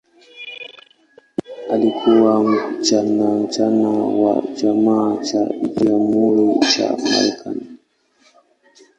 Alikuwa mwanachama wa Chama cha Jamhuri cha Marekani.